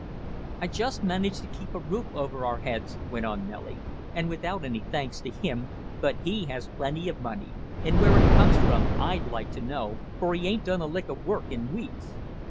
"I just manage to keep a roof over our heads," went on Nellie, "and without any thanks to him; but he has plenty of money, and where it comes from I'd like to know, for he ain't done a lick of work in weeks!"